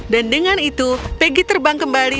dan dengan itu peggy terbang kembali